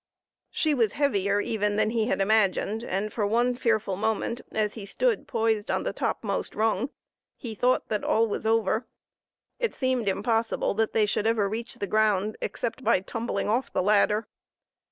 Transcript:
She was heavier even than he had imagined, and for one fearful moment, as he stood poised on the topmost rung, he thought that all was over. It seemed impossible that they should ever reach the ground except by tumbling off the ladder.